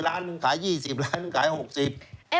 ร้านหนึ่งขาย๒๐ร้านหนึ่งขาย๖๐